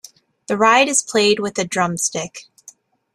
The ride is played with a drumstick.